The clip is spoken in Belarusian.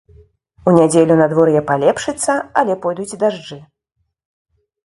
У нядзелю надвор'е палепшыцца, але пойдуць дажджы.